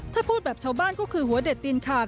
ถ้าพูดแบบชาวบ้านก็คือหัวเด็ดตีนขาด